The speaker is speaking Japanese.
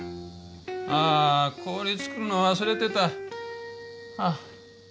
あ氷作るの忘れてた。